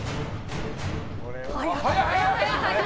早い早い！